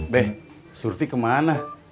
be surty kemana